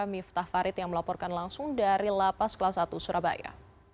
miftah farid yang melaporkan langsung dari lapas kelas satu surabaya